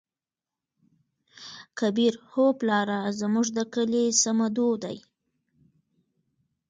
کبير : هو پلاره زموږ د کلي صمدو دى.